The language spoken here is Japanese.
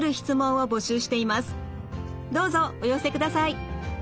どうぞお寄せください。